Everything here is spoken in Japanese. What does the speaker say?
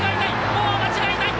もう間違いない！